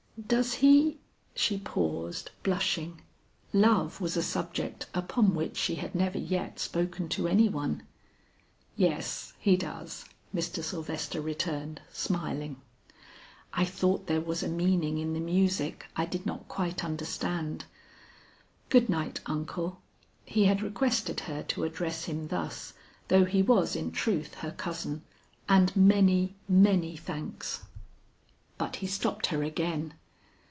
"Does he " she paused, blushing; love was a subject upon which she had never yet spoken to any one. "Yes he does," Mr. Sylvester returned smiling. "I thought there was a meaning in the music I did not quite understand. Good night, uncle," he had requested her to address him thus though he was in truth her cousin, "and many, many thanks." But he stopped her again.